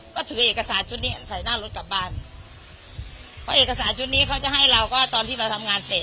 ก็ถือเอกสารชุดนี้ใส่หน้ารถกลับบ้านเพราะเอกสารชุดนี้เขาจะให้เราก็ตอนที่เราทำงานเสร็จ